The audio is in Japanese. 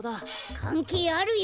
かんけいあるよ。